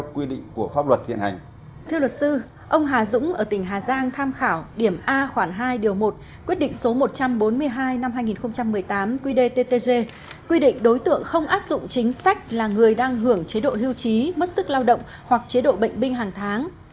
quy định đối tượng không áp dụng chính sách là người đang hưởng chế độ hưu trí mất sức lao động hoặc chế độ bệnh binh hàng tháng